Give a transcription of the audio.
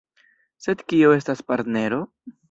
Sed kio estas partnero?